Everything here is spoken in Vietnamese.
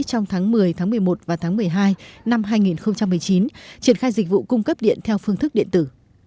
trong tháng một mươi tháng một mươi một và tháng một mươi hai năm hai nghìn một mươi chín triển khai dịch vụ cung cấp điện theo phương thức điện tử